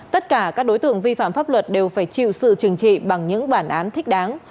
tất cả các đối tượng vi phạm pháp luật đều phải chịu sự trừng trị bằng những bản án thích đáng